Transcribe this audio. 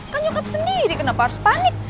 kan nyukap sendiri kenapa harus panik